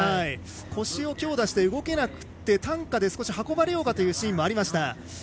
腰を強打して、動けなくて担架で少し運ばれようかというシーンもありました。